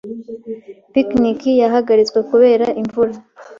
Picnic yahagaritswe kubera imvura.